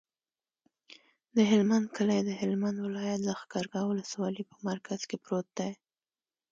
د هلمند کلی د هلمند ولایت، لښکرګاه ولسوالي په مرکز کې پروت دی.